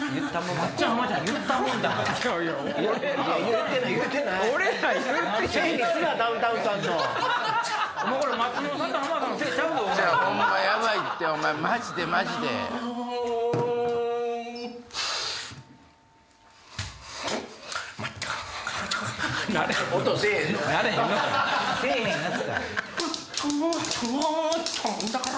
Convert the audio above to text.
松ちゃん浜ちゃんが言ったもんだから。